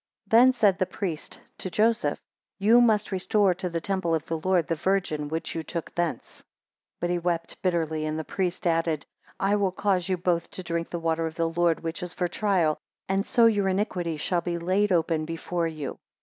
16 Then said the priest (to Joseph), You must restore to the temple of the Lord the Virgin which you took thence. 17 But he wept bitterly, and the priest added, I will cause you both to drink the water of the Lord, which is for trial, and so your iniquity shall be laid open before you.